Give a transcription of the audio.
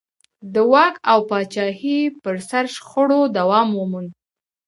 د واک او پاچاهۍ پر سر شخړو دوام وموند.